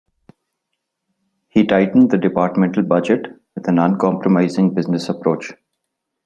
He tightened the departmental budget with an uncompromising business approach.